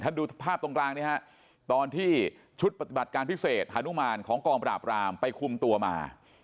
ดูภาพตรงกลางนี้ฮะตอนที่ชุดปฏิบัติการพิเศษฮานุมานของกองปราบรามไปคุมตัวมา